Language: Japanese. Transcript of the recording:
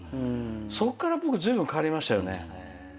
そっから僕ずいぶん変わりましたよね。